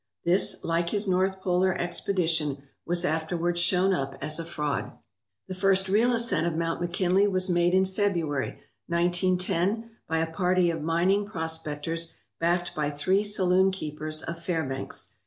This, like his North Polar expedition, was afterward shown up as a fraud. The first real ascent of Mount McKinley was made in February, 1910, by a party of mining prospectors backed by three saloon keepers of Fairbanks.